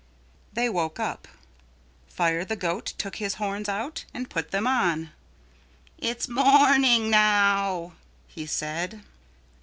They woke up. Fire the Goat took his horns out and put them on. "It's morning now," he said.